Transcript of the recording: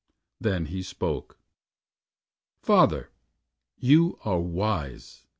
Then he spoke: "Father, you are wise!